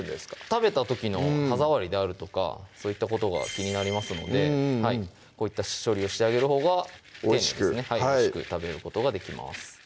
食べた時の歯触りであるとかそういったことが気になりますのでこういった処理をしてあげるほうが丁寧ですねおいしく食べることができます